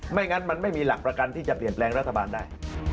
งั้นมันไม่มีหลักประกันที่จะเปลี่ยนแปลงรัฐบาลได้